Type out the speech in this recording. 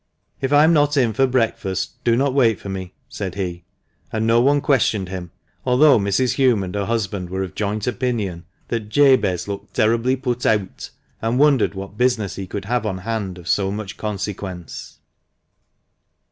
If I am not in for breakfast, do not wait for me," said he ; and no one questioned him, although Mrs. Hulme and her husband were of joint opinion that "Jabez looked terribly put eawt," and wondered what business he could have on hand of so much consequence.